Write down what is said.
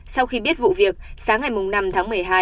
sau khi biết vụ việc sáng ngày năm tháng một mươi hai